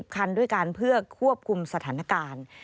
คันด้วยกันเพื่อควบคุมสถานการณ์